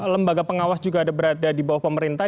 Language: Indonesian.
lembaga pengawas juga ada berada di bawah pemerintah